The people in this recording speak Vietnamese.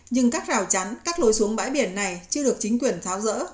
nhưng các rào chắn các lối xuống bãi biển này chưa được chính quyền tháo rỡ